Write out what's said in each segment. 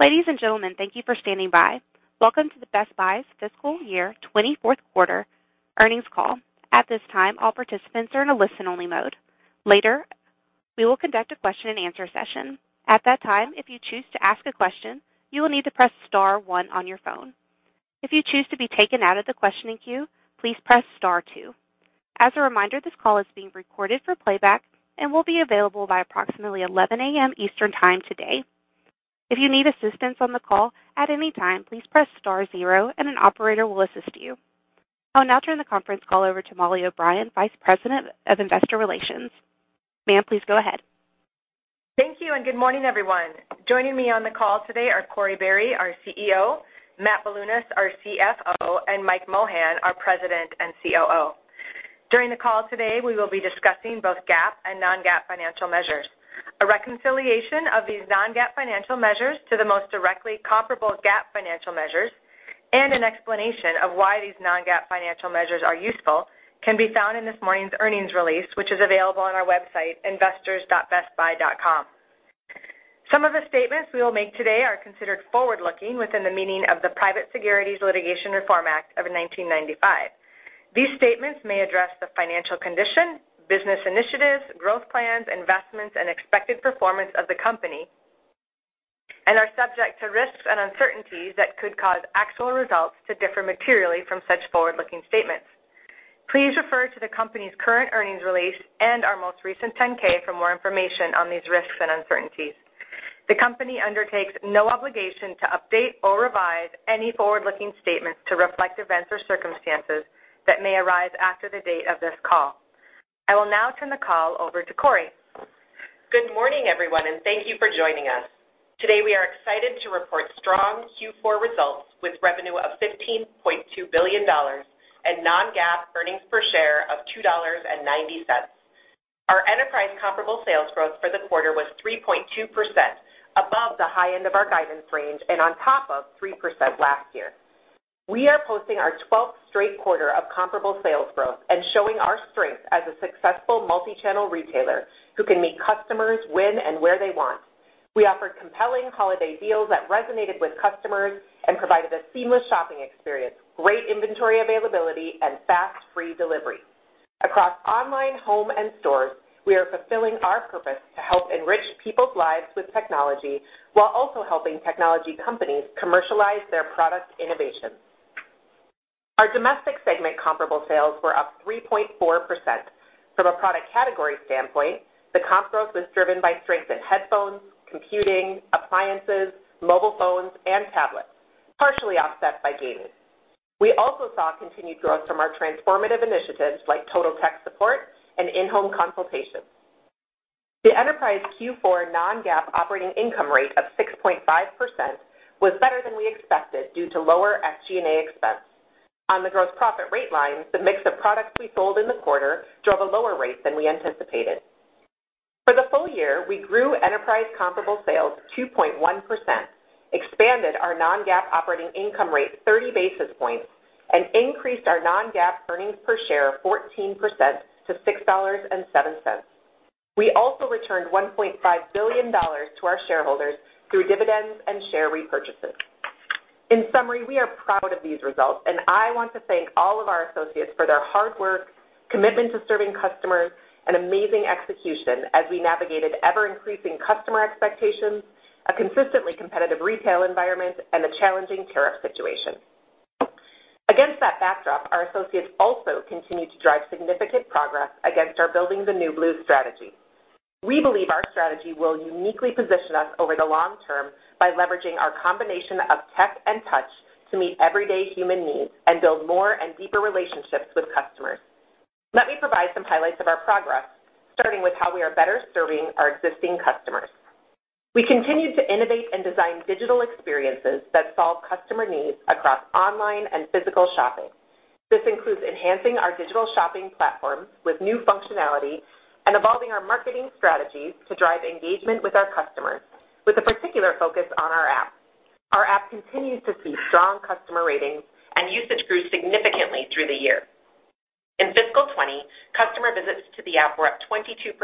Ladies and gentlemen, thank you for standing by. Welcome to the Best Buy's Fiscal Year 2024 Fourth Quarter Earnings call. At this time, all participants are in a listen-only mode. Later, we will conduct a question and answer session. At that time, if you choose to ask a question, you will need to press star one on your phone. If you choose to be taken out of the questioning queue, please press star two. As a reminder, this call is being recorded for playback and will be available by approximately 11:00 A.M. Eastern Time today. If you need assistance on the call at any time, please press star zero and an operator will assist you. I will now turn the conference call over to Mollie O'Brien, Vice President of Investor Relations. Ma'am, please go ahead. Thank you, good morning, everyone. Joining me on the call today are Corie Barry, our CEO, Matt Bilunas, our CFO, and Mike Mohan, our President and COO. During the call today, we will be discussing both GAAP and non-GAAP financial measures. A reconciliation of these non-GAAP financial measures to the most directly comparable GAAP financial measures and an explanation of why these non-GAAP financial measures are useful can be found in this morning's earnings release, which is available on our website, investors.bestbuy.com. Some of the statements we will make today are considered forward-looking within the meaning of the Private Securities Litigation Reform Act of 1995. These statements may address the financial condition, business initiatives, growth plans, investments, and expected performance of the company and are subject to risks and uncertainties that could cause actual results to differ materially from such forward-looking statements. Please refer to the company's current earnings release and our most recent 10-K for more information on these risks and uncertainties. The company undertakes no obligation to update or revise any forward-looking statements to reflect events or circumstances that may arise after the date of this call. I will now turn the call over to Corie. Good morning, everyone, and thank you for joining us. Today, we are excited to report strong Q4 results with revenue of $15.2 billion and non-GAAP earnings per share of $2.90. Our enterprise comparable sales growth for the quarter was 3.2%, above the high end of our guidance range and on top of 3% last year. We are posting our 12th straight quarter of comparable sales growth and showing our strength as a successful multi-channel retailer who can meet customers when and where they want. We offered compelling holiday deals that resonated with customers and provided a seamless shopping experience, great inventory availability, and fast, free delivery. Across online, home, and stores, we are fulfilling our purpose to help enrich people's lives with technology while also helping technology companies commercialize their product innovations. Our domestic segment comparable sales were up 3.4%. From a product category standpoint, the comp growth was driven by strength in headphones, computing, appliances, mobile phones, and tablets, partially offset by gaming. We also saw continued growth from our transformative initiatives like Total Tech Support and In-Home Consultations. The enterprise Q4 non-GAAP operating income rate of 6.5% was better than we expected due to lower SG&A expense. On the gross profit rate line, the mix of products we sold in the quarter drove a lower rate than we anticipated. For the full year, we grew enterprise comparable sales 2.1%, expanded our non-GAAP operating income rate 30 basis points, and increased our non-GAAP earnings per share 14% to $6.07. We also returned $1.5 billion to our shareholders through dividends and share repurchases. In summary, we are proud of these results, and I want to thank all of our associates for their hard work, commitment to serving customers, and amazing execution as we navigated ever-increasing customer expectations, a consistently competitive retail environment, and a challenging tariff situation. Against that backdrop, our associates also continued to drive significant progress against our Building the New Blue strategy. We believe our strategy will uniquely position us over the long term by leveraging our combination of tech and touch to meet everyday human needs and build more and deeper relationships with customers. Let me provide some highlights of our progress, starting with how we are better serving our existing customers. We continued to innovate and design digital experiences that solve customer needs across online and physical shopping. This includes enhancing our digital shopping platforms with new functionality and evolving our marketing strategies to drive engagement with our customers, with a particular focus on our app. Our app continues to see strong customer ratings and usage grew significantly through the year. In Fiscal Year 2020, customer visits to the app were up 22%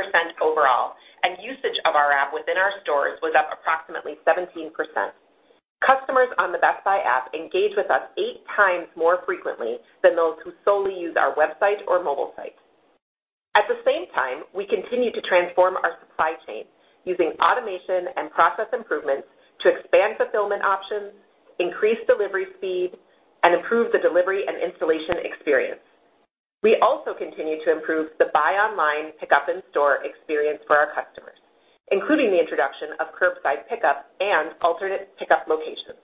overall, and usage of our app within our stores was up approximately 17%. Customers on the Best Buy app engage with us eight times more frequently than those who solely use our website or mobile site. At the same time, we continued to transform our supply chain using automation and process improvements to expand fulfillment options, increase delivery speed, and improve the delivery and installation experience. We also continued to improve the buy online, pickup in-store experience for our customers, including the introduction of curbside pickup and alternate pickup locations.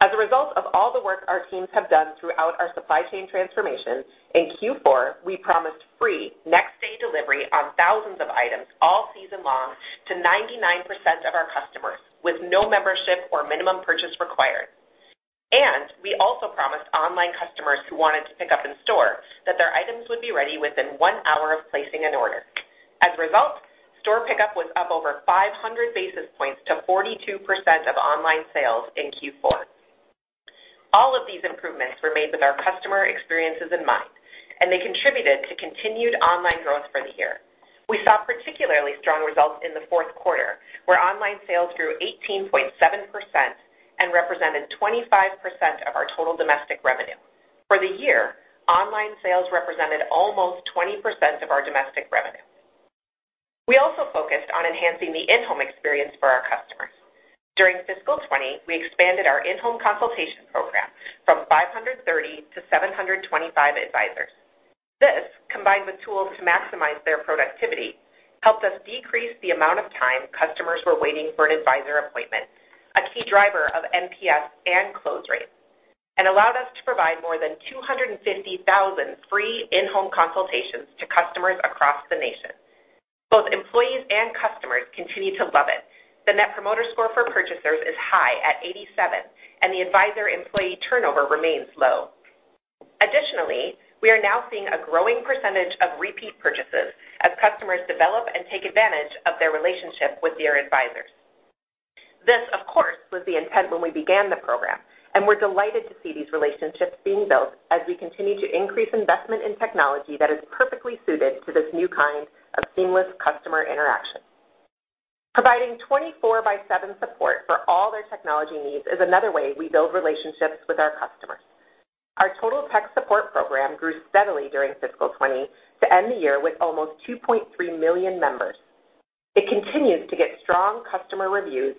As a result of all the work our teams have done throughout our supply chain transformation, in Q4, we promised free next-day delivery on thousands of items all season long to 99% of our customers with no membership or minimum purchase required. We also promised online customers who wanted to pick up in store that their items would be ready within one hour of placing an order. As a result, store pickup was up over 500 basis points to 42% of online sales in Q4. All of these improvements were made with our customer experiences in mind, and they contributed to continued online growth for the year. We saw particularly strong results in the fourth quarter, where online sales grew 18.7% and represented 25% of our total domestic revenue. For the year, online sales represented almost 20% of our domestic revenue. We also focused on enhancing the in-home experience for our customers. During Fiscal Year 2020, we expanded our In-Home Advisor program from 530-725 advisors. This, combined with tools to maximize their productivity, helped us decrease the amount of time customers were waiting for an advisor appointment, a key driver of NPS and close rates, and allowed us to provide more than 250,000 free in-home consultations to customers across the nation. Both employees and customers continue to love it. The net promoter score for purchasers is high at 87, and the advisor employee turnover remains low. Additionally, we are now seeing a growing percentage of repeat purchases as customers develop and take advantage of their relationship with their advisors. This, of course, was the intent when we began the program, and we're delighted to see these relationships being built as we continue to increase investment in technology that is perfectly suited to this new kind of seamless customer interaction. Providing 24 by seven support for all their technology needs is another way we build relationships with our customers. Our Total Tech Support program grew steadily during Fiscal Year 2020 to end the year with almost 2.3 million members. It continues to get strong customer reviews,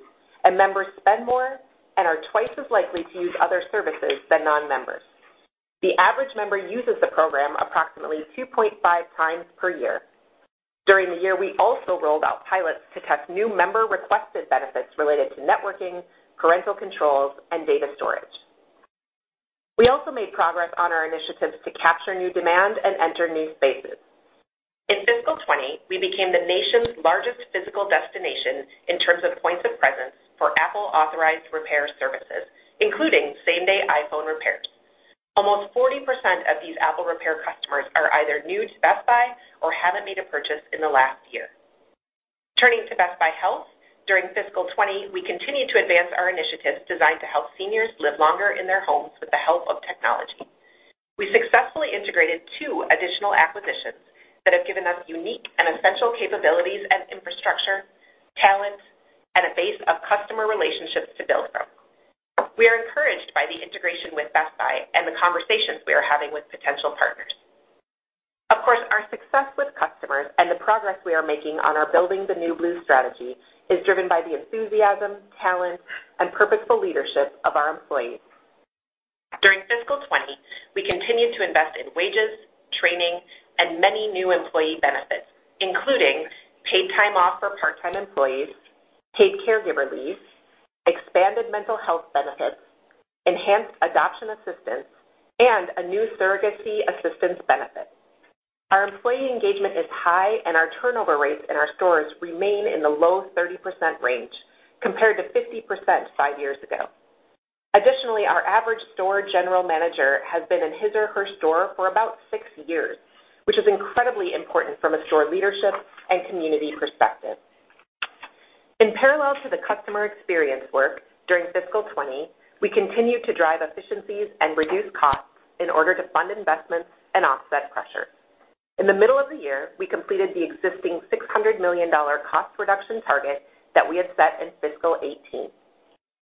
and members spend more and are twice as likely to use other services than non-members. The average member uses the program approximately 2.5 times per year. During the year, we also rolled out pilots to test new member-requested benefits related to networking, parental controls, and data storage. We also made progress on our initiatives to capture new demand and enter new spaces. In Fiscal Year 2020, we became the nation's largest physical destination in terms of points of presence for Apple-authorized repair services, including same-day iPhone repairs. Almost 40% of these Apple repair customers are either new to Best Buy or haven't made a purchase in the last year. Turning to Best Buy Health, during Fiscal Year 2020, we continued to advance our initiatives designed to help seniors live longer in their homes with the help of technology. We successfully integrated two additional acquisitions that have given us unique and essential capabilities and infrastructure, talent, and a base of customer relationships to build from. We are encouraged by the integration with Best Buy and the conversations we are having with potential partners. Of course, our success with customers and the progress we are making on our Building the New Blue strategy is driven by the enthusiasm, talent, and purposeful leadership of our employees. During Fiscal Year 2020, we continued to invest in wages, training, and many new employee benefits, including paid time off for part-time employees, paid caregiver leave, expanded mental health benefits, enhanced adoption assistance, and a new surrogacy assistance benefit. Our employee engagement is high, and our turnover rates in our stores remain in the low 30% range, compared to 50% five years ago. Additionally, our average store general manager has been in his or her store for about six years, which is incredibly important from a store leadership and community perspective. In parallel to the customer experience work, during Fiscal Year 2020, we continued to drive efficiencies and reduce costs in order to fund investments and offset pressure. In the middle of the year, we completed the existing $600 million cost reduction target that we had set in fiscal 2018.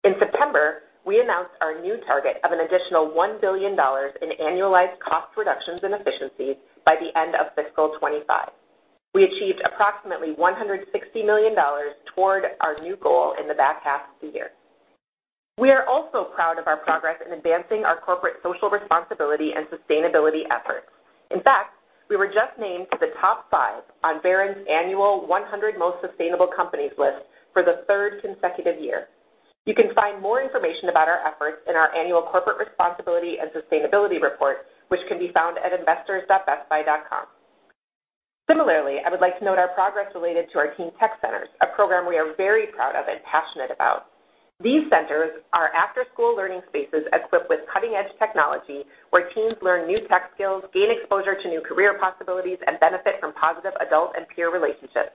In September, we announced our new target of an additional $1 billion in annualized cost reductions and efficiencies by the end of FY 2025. We achieved approximately $160 million toward our new goal in the back half of the year. We are also proud of our progress in advancing our corporate social responsibility and sustainability efforts. In fact, we were just named to the top five on Barron's Annual 100 Most Sustainable Companies list for the third consecutive year. You can find more information about our efforts in our annual corporate responsibility and sustainability report, which can be found at investors.bestbuy.com. Similarly, I would like to note our progress related to our Teen Tech Centers, a program we are very proud of and passionate about. These centers are after-school learning spaces equipped with cutting-edge technology where teens learn new tech skills, gain exposure to new career possibilities, and benefit from positive adult and peer relationships.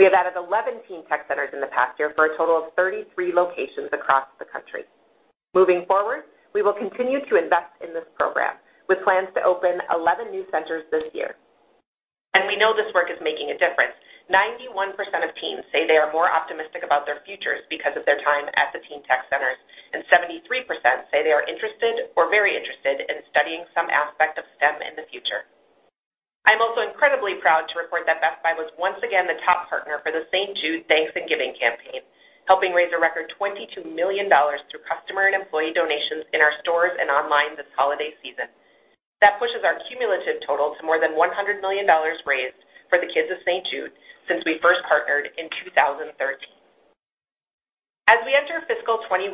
We have added 11 Teen Tech Centers in the past year for a total of 33 locations across the country. Moving forward, we will continue to invest in this program, with plans to open 11 new centers this year. We know this work is making a difference. 91% of teens say they are more optimistic about their futures because of their time at the Teen Tech Centers, and 73% say they are interested or very interested in studying some aspect of STEM in the future. I am also incredibly proud to report that Best Buy was once again the top partner for the St. Jude Thanks and Giving campaign, helping raise a record $22 million through customer and employee donations in our stores and online this holiday season. That pushes our cumulative total to more than $100 million raised for the kids of St. Jude since we first partnered in 2013. As we enter FY 2021,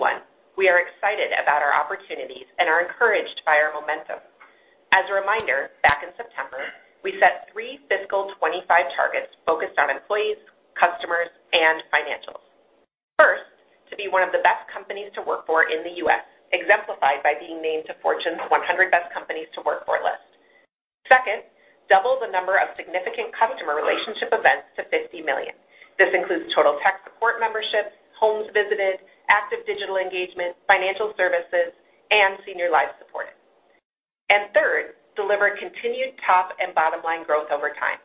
we are excited about our opportunities and are encouraged by our momentum. As a reminder, back in September, we set three FY 2025 targets focused on employees, customers, and financials. First, to be one of the best companies to work for in the U.S., exemplified by being named to Fortune's 100 Best Companies to Work For list. Second, double the number of significant customer relationship events to 50 million. This includes Total Tech Support memberships, homes visited, active digital engagement, financial services, and Lively. Third, deliver continued top and bottom line growth over time,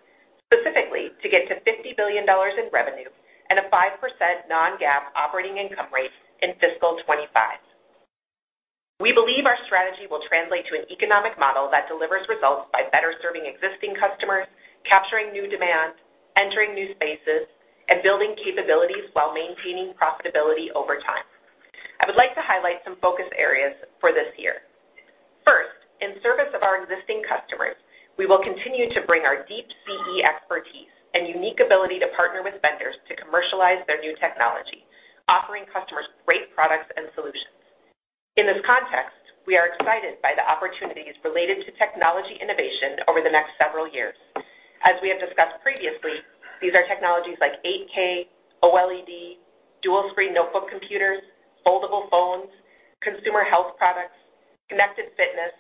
specifically to get to $50 billion in revenue and a 5% non-GAAP operating income rate in FY 2025. We believe our strategy will translate to an economic model that delivers results by better serving existing customers, capturing new demand, entering new spaces, and building capabilities while maintaining profitability over time. I would like to highlight some focus areas for this year. First, in service of our existing customers, we will continue to bring our deep CE expertise and unique ability to partner with vendors to commercialize their new technology, offering customers great products and solutions. In this context, we are excited by the opportunities related to technology innovation over the next several years. As we have discussed previously, these are technologies like 8K, OLED, dual-screen notebook computers, foldable phones, consumer health products, connected fitness,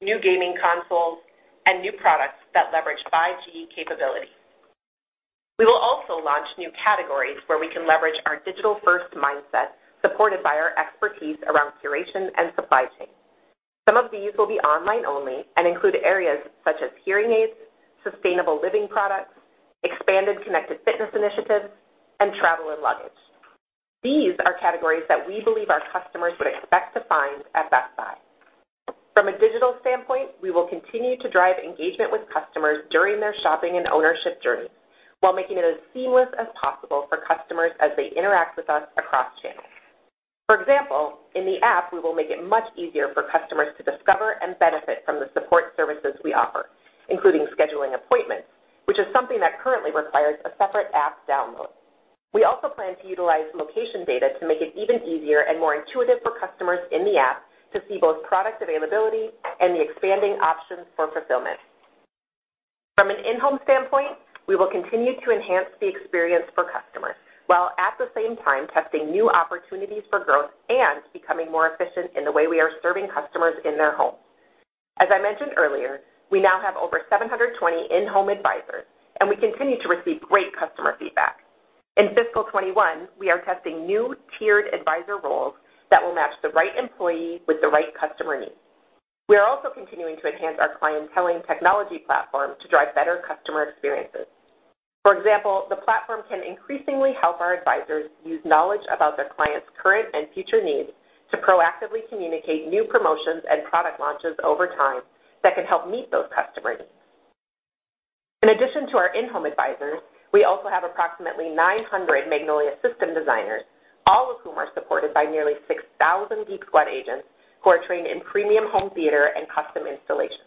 new gaming consoles, and new products that leverage 5G capability. We will also launch new categories where we can leverage our digital-first mindset, supported by our expertise around curation and supply chain. Some of these will be online only and include areas such as hearing aids, sustainable living products, expanded connected fitness initiatives, and travel and luggage. These are categories that we believe our customers would expect to find at Best Buy. From a digital standpoint, we will continue to drive engagement with customers during their shopping and ownership journey while making it as seamless as possible for customers as they interact with us across channels. For example, in the app, we will make it much easier for customers to discover and benefit from the support services we offer, including scheduling appointments, which is something that currently requires a separate app download. We also plan to utilize location data to make it even easier and more intuitive for customers in the app to see both product availability and the expanding options for fulfillment. From an in-home standpoint, we will continue to enhance the experience for customers, while at the same time testing new opportunities for growth and becoming more efficient in the way we are serving customers in their homes. As I mentioned earlier, we now have over 720 In-Home Advisors, and we continue to receive great customer feedback. In Fiscal Year 2021, we are testing new tiered advisor roles that will match the right employee with the right customer needs. We are also continuing to enhance our clientelling technology platform to drive better customer experiences. For example, the platform can increasingly help our advisors use knowledge about their clients' current and future needs to proactively communicate new promotions and product launches over time that can help meet those customer needs. In addition to our In-Home Advisors, we also have approximately 900 Magnolia System Designers, all of whom are supported by nearly 6,000 Geek Squad Agents who are trained in premium home theater and custom installations.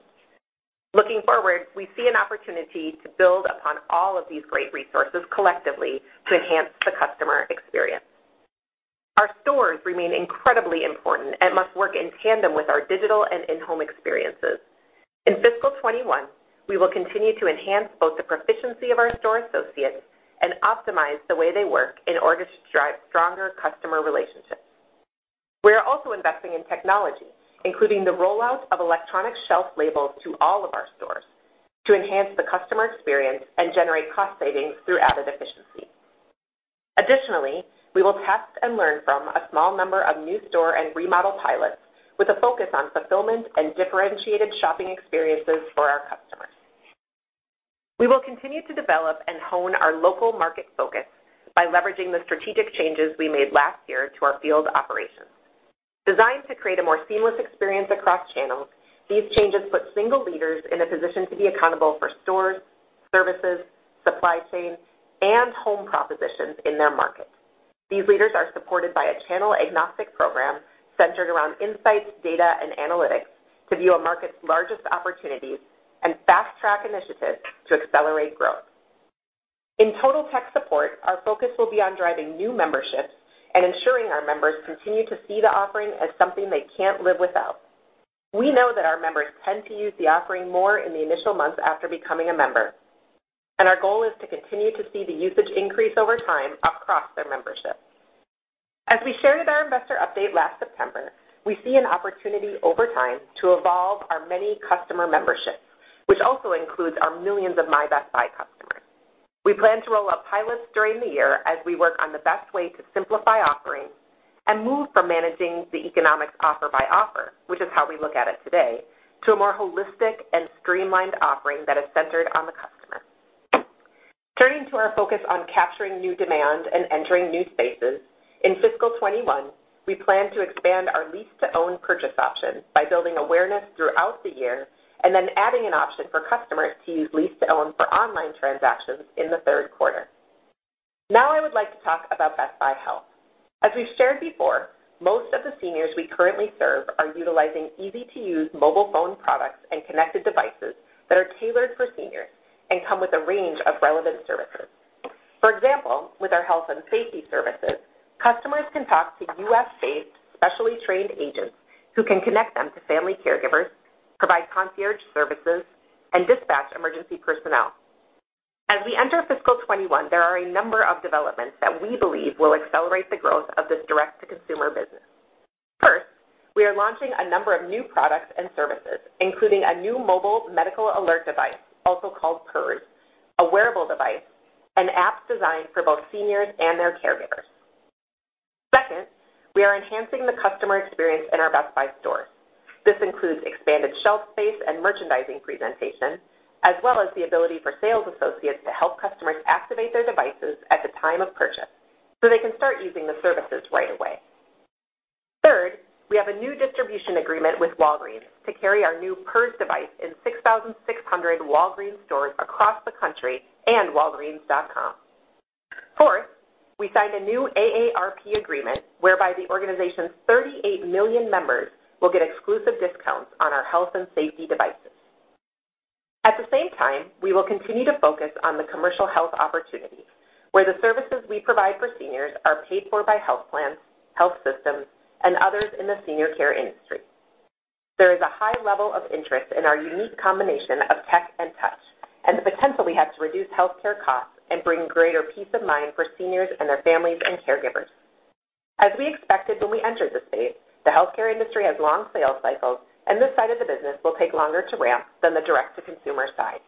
Looking forward, we see an opportunity to build upon all of these great resources collectively to enhance the customer experience. Our stores remain incredibly important and must work in tandem with our digital and in-home experiences. In Fiscal Year 2021, we will continue to enhance both the proficiency of our store associates and optimize the way they work in order to drive stronger customer relationships. We are also investing in technology, including the rollout of electronic shelf labels to all of our stores to enhance the customer experience and generate cost savings through added efficiency. Additionally, we will test and learn from a small number of new store and remodel pilots with a focus on fulfillment and differentiated shopping experiences for our customers. We will continue to develop and hone our local market focus by leveraging the strategic changes we made last year to our field operations. Designed to create a more seamless experience across channels, these changes put single leaders in a position to be accountable for stores, services, supply chain, and home propositions in their markets. These leaders are supported by a channel-agnostic program centered around insights, data, and analytics to view a market's largest opportunities and fast-track initiatives to accelerate growth. In Total Tech Support, our focus will be on driving new memberships and ensuring our members continue to see the offering as something they can't live without. We know that our members tend to use the offering more in the initial months after becoming a member, and our goal is to continue to see the usage increase over time across their membership. As we shared at our investor update last September, we see an opportunity over time to evolve our many customer memberships, which also includes our millions of My Best Buy customers. We plan to roll out pilots during the year as we work on the best way to simplify offerings and move from managing the economics offer by offer, which is how we look at it today, to a more holistic and streamlined offering that is centered on the customer. Turning to our focus on capturing new demand and entering new spaces, in Fiscal 2021, we plan to expand our lease-to-own purchase option by building awareness throughout the year and then adding an option for customers to use lease-to-own for online transactions in the third quarter. I would like to talk about Best Buy Health. As we've shared before, most of the seniors we currently serve are utilizing easy-to-use mobile phone products and connected devices that are tailored for seniors and come with a range of relevant services. For example, with our health and safety services, customers can talk to U.S.-based, specially trained agents who can connect them to family caregivers, provide concierge services, and dispatch emergency personnel. Under Fiscal 2021, there are a number of developments that we believe will accelerate the growth of this direct-to-consumer business. First, we are launching a number of new products and services, including a new mobile medical alert device, also called PERS, a wearable device, an app designed for both seniors and their caregivers. Second, we are enhancing the customer experience in our Best Buy stores. This includes expanded shelf space and merchandising presentation, as well as the ability for sales associates to help customers activate their devices at the time of purchase so they can start using the services right away. Third, we have a new distribution agreement with Walgreens to carry our new PERS device in 6,600 Walgreens stores across the country and walgreens.com. Fourth, we signed a new AARP agreement whereby the organization's 38 million members will get exclusive discounts on our health and safety devices. At the same time, we will continue to focus on the commercial health opportunity, where the services we provide for seniors are paid for by health plans, health systems, and others in the senior care industry. There is a high level of interest in our unique combination of tech and touch, and the potential we have to reduce healthcare costs and bring greater peace of mind for seniors and their families and caregivers. As we expected when we entered this space, the healthcare industry has long sales cycles, and this side of the business will take longer to ramp than the direct-to-consumer side.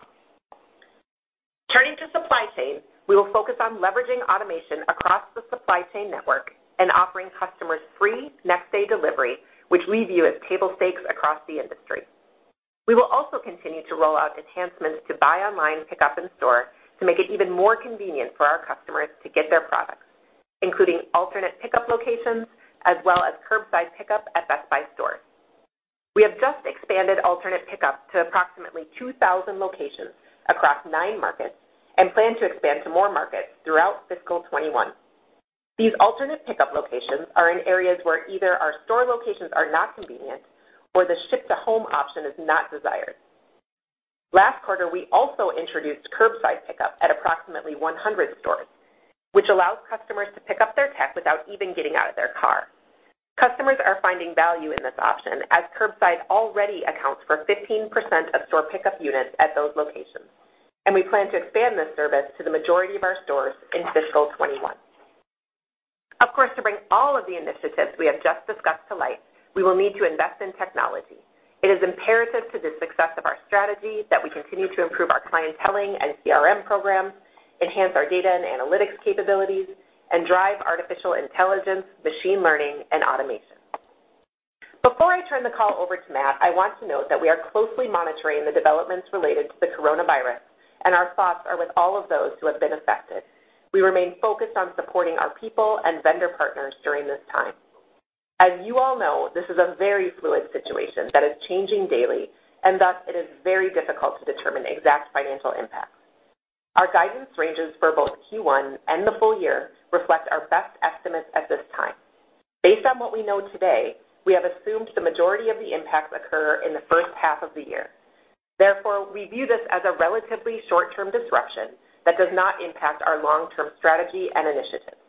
Turning to supply chain, we will focus on leveraging automation across the supply chain network and offering customers free next-day delivery, which we view as table stakes across the industry. We will also continue to roll out enhancements to buy online, pick up in store to make it even more convenient for our customers to get their products, including alternate pickup locations as well as curbside pickup at Best Buy stores. We have just expanded alternate pickup to approximately 2,000 locations across nine markets and plan to expand to more markets throughout Fiscal Year 2021. These alternate pickup locations are in areas where either our store locations are not convenient or the ship-to-home option is not desired. Last quarter, we also introduced curbside pickup at approximately 100 stores, which allows customers to pick up their tech without even getting out of their car. Customers are finding value in this option as curbside already accounts for 15% of store pickup units at those locations, and we plan to expand this service to the majority of our stores in Fiscal 2021. Of course, to bring all of the initiatives we have just discussed to light, we will need to invest in technology. It is imperative to the success of our strategy that we continue to improve our clienteling and CRM programs, enhance our data and analytics capabilities, and drive artificial intelligence, machine learning, and automation. Before I turn the call over to Matt, I want to note that we are closely monitoring the developments related to the coronavirus, and our thoughts are with all of those who have been affected. We remain focused on supporting our people and vendor partners during this time. As you all know, this is a very fluid situation that is changing daily, thus, it is very difficult to determine exact financial impacts. Our guidance ranges for both Q1 and the full year reflect our best estimates at this time. Based on what we know today, we have assumed the majority of the impacts occur in the first half of the year. We view this as a relatively short-term disruption that does not impact our long-term strategy and initiatives.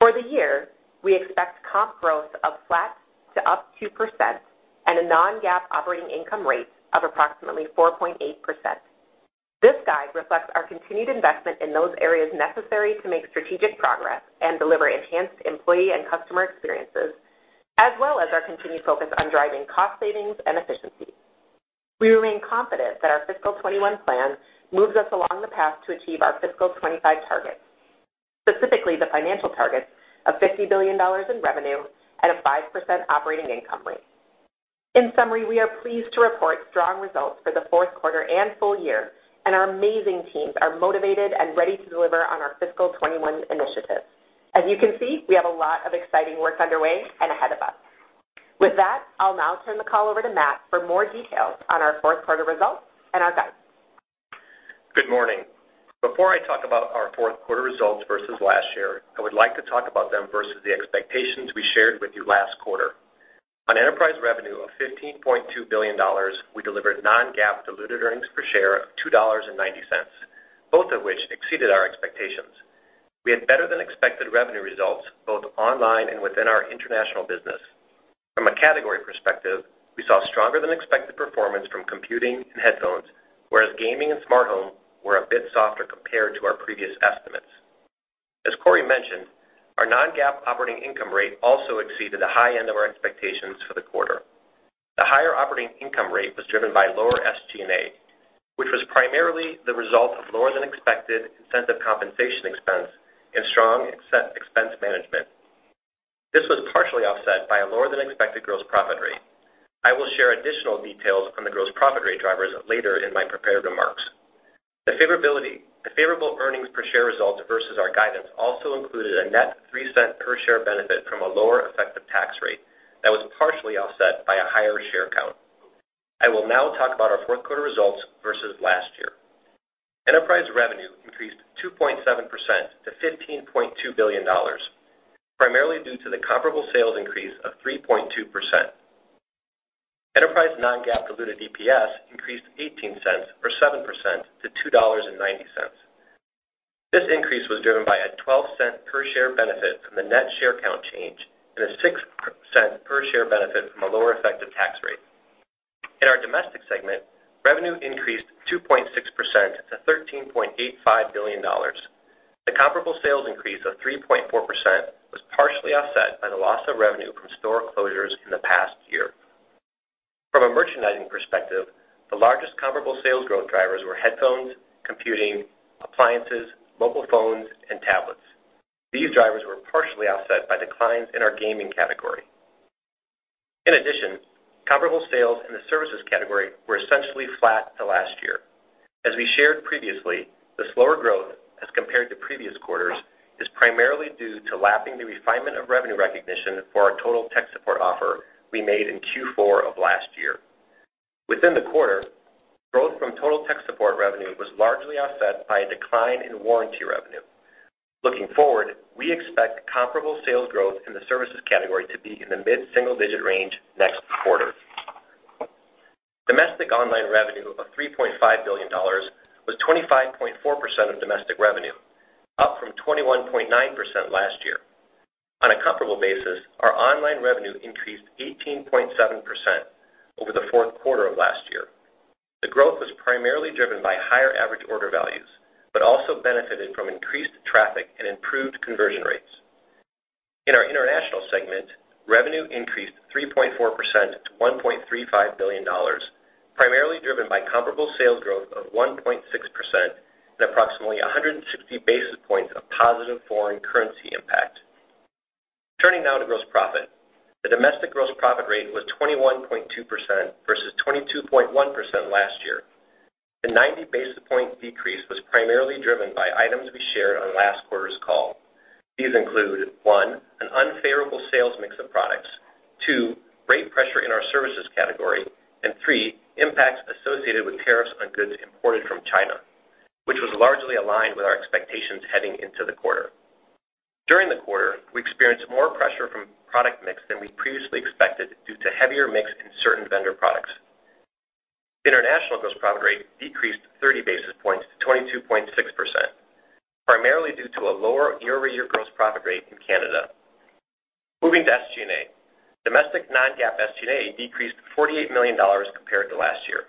For the year, we expect comp growth of flat to up 2% and a non-GAAP operating income rate of approximately 4.8%. This guide reflects our continued investment in those areas necessary to make strategic progress and deliver enhanced employee and customer experiences, as well as our continued focus on driving cost savings and efficiencies. We remain confident that our Fiscal 2021 plan moves us along the path to achieve our FY 2025 targets, specifically the financial targets of $50 billion in revenue and a 5% operating income rate. In summary, we are pleased to report strong results for the fourth quarter and full year. Our amazing teams are motivated and ready to deliver on our Fiscal 2021 initiatives. As you can see, we have a lot of exciting work underway and ahead of us. With that, I'll now turn the call over to Matt for more details on our fourth quarter results and our guidance. Good morning. Before I talk about our fourth quarter results versus last year, I would like to talk about them versus the expectations we shared with you last quarter. On enterprise revenue of $15.2 billion, we delivered non-GAAP diluted earnings per share of $2.90, both of which exceeded our expectations. We had better-than-expected revenue results both online and within our international business. From a category perspective, we saw stronger-than-expected performance from computing and headphones, whereas gaming and smart home were a bit softer compared to our previous estimates. As Corie mentioned, our non-GAAP operating income rate also exceeded the high end of our expectations for the quarter. The higher operating income rate was driven by lower SG&A, which was primarily the result of lower-than-expected incentive compensation expense and strong expense management. This was partially offset by a lower-than-expected gross profit rate. I will share additional details on the gross profit rate drivers later in my prepared remarks. The favorable earnings per share results versus our guidance also included a net $0.03 per share benefit from a lower effective tax rate that was partially offset by a higher share count. I will now talk about our fourth quarter results versus last year. Enterprise revenue increased 2.7% to $15.2 billion, primarily due to the comparable sales increase of 3.2%. Enterprise non-GAAP diluted EPS increased $0.18 or 7% to $2.90. This increase was driven by a $0.12 per share benefit from the net share count change and a 6% per share benefit from a lower effective tax rate. In our Domestic segment, revenue increased 2.6% to $13.85 billion. The comparable sales increase of 3.4% was partially offset by the loss of revenue from store closures in the past year. From a merchandising perspective, the largest comparable sales growth drivers were headphones, computing, appliances, mobile phones, and tablets. These drivers were partially offset by declines in our gaming category. Comparable sales in the services category were essentially flat to last year. As we shared previously, the slower growth as compared to previous quarters is primarily due to lapping the refinement of revenue recognition for our Total Tech Support offer we made in Q4 of last year. Within the quarter, growth from Total Tech Support revenue was largely offset by a decline in warranty revenue. Looking forward, we expect comparable sales growth in the services category to be in the mid-single digit range next quarter. Domestic online revenue of $3.5 billion was 25.4% of domestic revenue, up from 21.9% last year. On a comparable basis, our online revenue increased 18.7% over the fourth quarter of last year. The growth was primarily driven by higher average order values, but also benefited from increased traffic and improved conversion rates. In our International segment, revenue increased 3.4% to $1.35 billion, primarily driven by comparable sales growth of 1.6% and approximately 160 basis points of positive foreign currency impact. Turning now to gross profit. The domestic gross profit rate was 21.2% versus 22.1% last year. The 90-basis-point decrease was primarily driven by items we shared on last quarter's call. These include, one, an unfavorable sales mix of products, two, rate pressure in our services category, and three, impacts associated with tariffs on goods imported from China, which was largely aligned with our expectations heading into the quarter. During the quarter, we experienced more pressure from product mix than we previously expected due to heavier mix in certain vendor products. International gross profit rate decreased 30 basis points to 22.6%, primarily due to a lower year-over-year gross profit rate in Canada. Moving to SG&A. Domestic non-GAAP SG&A decreased to $48 million compared to last year.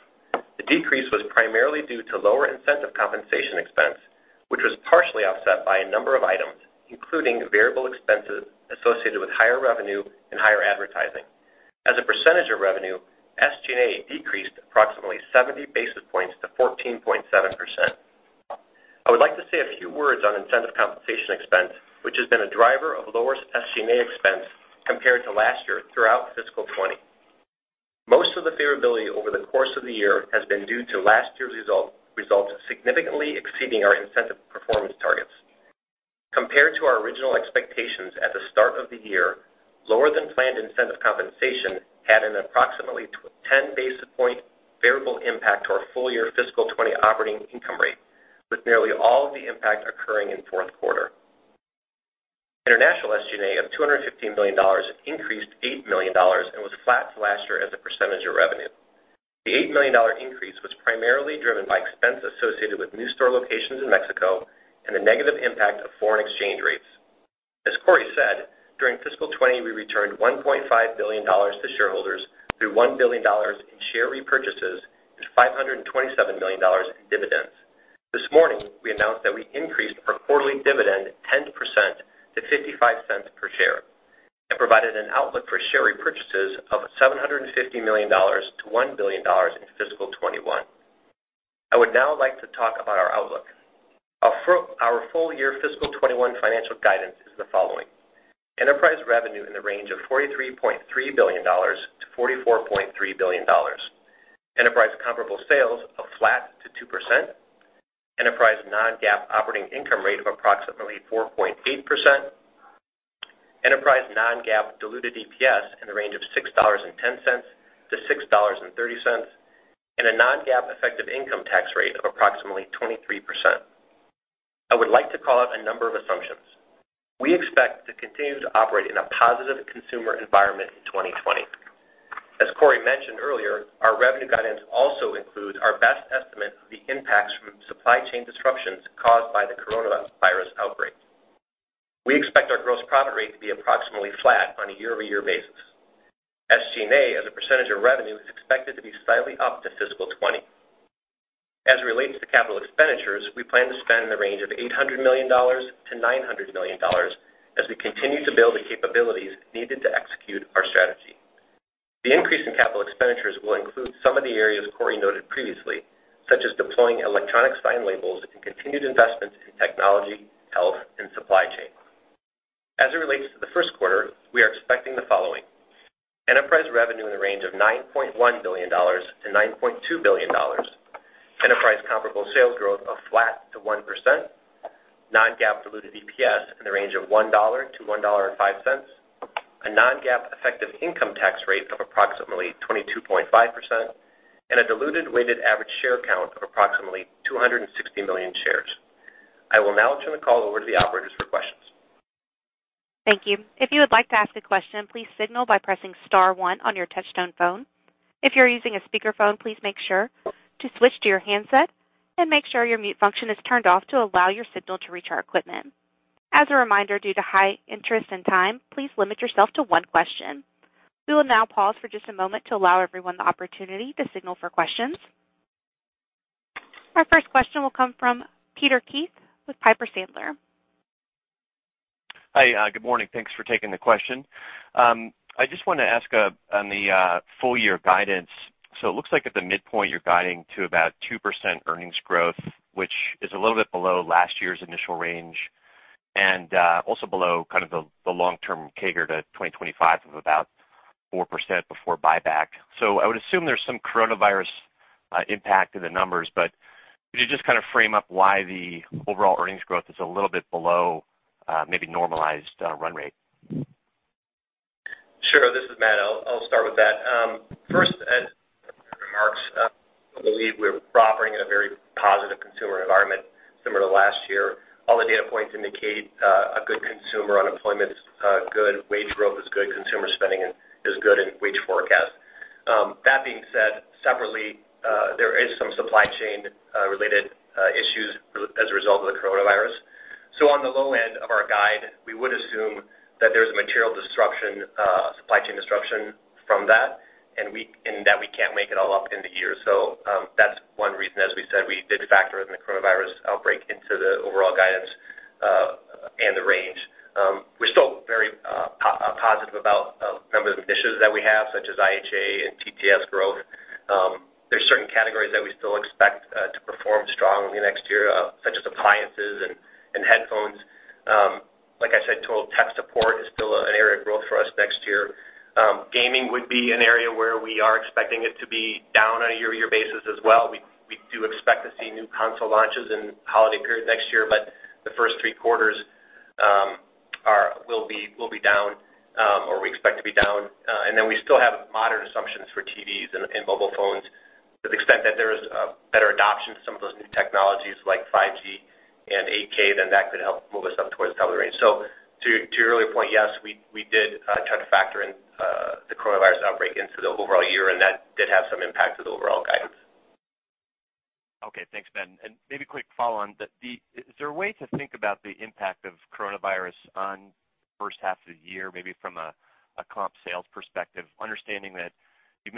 The decrease was primarily due to lower incentive compensation expense, which was partially offset by a number of items, including variable expenses associated with higher revenue and higher advertising. As a percentage of revenue, SG&A decreased approximately 70 basis points to 14.7%. I would like to say a few words on incentive compensation expense, which has been a driver of lower SG&A expense compared to last year throughout Fiscal Year 2020. Most of the favorability over the course of the year has been due to last year's results significantly exceeding our incentive performance targets. Compared to our original expectations at the start of the year, lower-than-planned incentive compensation had an approximately 10-basis-point favorable impact to our full-year Fiscal 2020 operating income rate, with nearly all of the impact occurring in the fourth quarter. International SG&A of $215 million increased $8 million and was flat to last year as a percentage of revenue. The $8 million increase was primarily driven by expense associated with new store locations in Mexico and the negative impact of foreign exchange rates. As Corie said, during Fiscal 2020, we returned $1.5 billion to shareholders through $1 billion in share repurchases and $527 million in dividends. This morning, we announced that we increased our quarterly dividend 10% to $0.55 per share and provided an outlook for share repurchases of $750 million-$1 billion in Fiscal 2021. I would now like to talk about our outlook. Our full-year FY 2021 financial guidance is the following: Enterprise revenue in the range of $43.3 billion-$44.3 billion. Enterprise comparable sales of flat to 2%. Enterprise non-GAAP operating income rate of approximately 4.8%. Enterprise non-GAAP diluted EPS in the range of $6.10-$6.30, and a non-GAAP effective income tax rate of approximately 23%. I would like to call out a number of assumptions. We expect to continue to operate in a positive consumer environment in 2020. As Corie mentioned earlier, our revenue guidance also includes our best estimate of the impacts from supply chain disruptions caused by the coronavirus outbreak. We expect our gross profit rate to be approximately flat on a year-over-year basis. SG&A as a percentage of revenue is expected to be slightly up to FY 2020. As it relates to capital expenditures, we plan to spend in the range of $800 million-$900 million as we continue to build the capabilities needed to execute our strategy. The increase in capital expenditures will include some of the areas Corie noted previously, such as deploying electronic shelf labels and continued investments in technology, health, and supply chain. As it relates to the first quarter, we are expecting the following: Enterprise revenue in the range of $9.1 billion-$9.2 billion. Enterprise comparable sales growth of flat to 1%. Non-GAAP diluted EPS in the range of $1-$1.05. A non-GAAP effective income tax rate of approximately 22.5%, and a diluted weighted average share count of approximately 260 million shares. I will now turn the call over to the operators for questions. Thank you. If you would like to ask a question, please signal by pressing star one on your touchtone phone. If you're using a speakerphone, please make sure to switch to your handset and make sure your mute function is turned off to allow your signal to reach our equipment. As a reminder, due to high interest and time, please limit yourself to one question. We will now pause for just a moment to allow everyone the opportunity to signal for questions. Our first question will come from Peter Keith with Piper Sandler. Hi, good morning. Thanks for taking the question. I just want to ask on the full year guidance. It looks like at the midpoint, you're guiding to about 2% earnings growth, which is a little bit below last year's initial range and also below the long-term CAGR to 2025 of about 4% before buyback. I would assume there's some coronavirus impact to the numbers, but could you just frame up why the overall earnings growth is a little bit below maybe normalized run rate? Sure. This is Matt. I'll start with that. First, as remarks, I believe we're operating in a very positive consumer environment similar to last year. All the data points indicate a good consumer. Unemployment is good, wage growth is good, consumer spending is good, and wage forecast. That being said, separately, there is some supply chain related issues as a result of the coronavirus. On the low end of our guide, we would assume that there's a material supply chain disruption from that, and that we can't make it all up in the year. That's one reason, as we said, we did factor in the coronavirus outbreak into the overall guidance, and the range. We're still very positive about a number of initiatives that we have, such as IHA and TTS growth. There's certain categories that we still expect to perform strongly next year, such as appliances and headphones. Like I said, Total Tech Support is still an area of growth for us next year. Gaming would be an area where we are expecting it to be down on a year-over-year basis as well. We do expect to see new console launches in holiday period next year, but the first three quarters will be down, or we expect to be down. We still have moderate assumptions for TVs and mobile phones. To the extent that there is a better adoption to some of those new technologies like 5G and 8K, then that could help move us up towards the top of the range. To your earlier point, yes, we did try to factor in the coronavirus outbreak into the overall year, and that did have some impact to the overall guidance. Okay, thanks, Matt. Maybe a quick follow on that. Is there a way to think about the impact of coronavirus on the first half of the year, maybe from a comp sales perspective, understanding that,